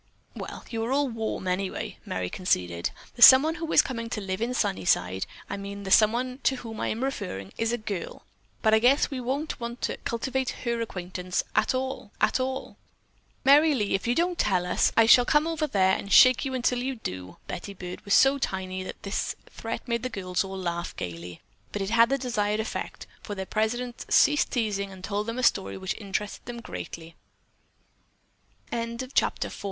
"Well, you are all warm anyway," Merry conceded. "The someone who is coming to live in Sunnyside; I mean the someone to whom I am referring, is a girl, but I guess we won't want to cultivate her acquaintance at all, at all." "Merry Lee, if you don't tell us, I shall come over there and shake you until you do." Betty Byrd was so tiny that this threat made the girls laugh gaily, but it had the desired effect, for their president ceased teasing and told them a story which interested them